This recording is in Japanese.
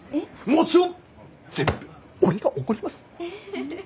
もちろん全部俺がおごります。